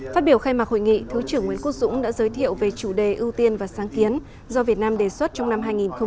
phát biểu khai mạc hội nghị thứ trưởng nguyễn quốc dũng đã giới thiệu về chủ đề ưu tiên và sáng kiến do việt nam đề xuất trong năm hai nghìn hai mươi